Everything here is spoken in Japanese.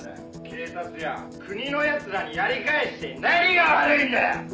「警察や国の奴らにやり返して何が悪いんだよ！」